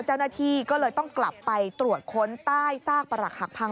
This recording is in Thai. เจ้าหน้าที่ก็เลยต้องกลับไปตรวจค้นใต้ซากประหลักหักพัง